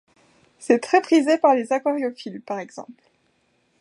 C’est très prisé par les aquariophiles, par exemple.